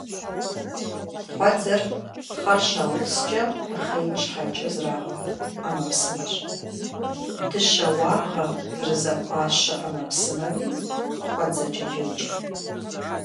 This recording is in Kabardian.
Кхъуэдзэр пхъэр щаупскӀэ мыхъеин щхьэкӀэ зрагъэкъу ӏэмэпсымэщ. Дыщэ уагъэ зэрызэӏуащэ ӏэмэпсымэми кхъуэдзэкӏэ йоджэ.